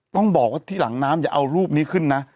ต้องบอกว่าที่หลังน้ำอย่าเอารูปนี้ขึ้นนะ